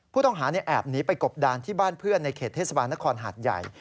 ผู้ต้องหาแอบหนีไปกบดานที่บ้านเพื่อนในเขตเทศบาลนครหาดใหญ่